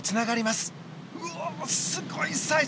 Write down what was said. すごいサイズ！